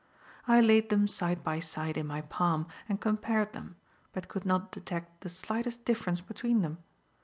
I laid them side by side in my palm and compared them, but could not detect the slightest difference between them.